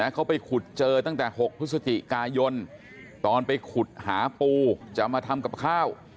เขาไปขุดเจอตั้งแต่๖พฤศจิกายนตอนไปขุดหาปูจะมาทำกับข้าว